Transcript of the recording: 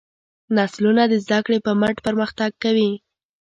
نسلونه د زدهکړې په مټ پرمختګ کوي.